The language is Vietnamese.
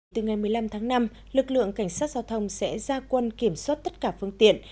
từ ngày một mươi năm tháng năm lực lượng cảnh sát giao thông sẽ ra quân kiểm soát tất cả phương tiện